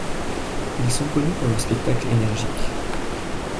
Ils sont connus pour leurs spectacles énergiques.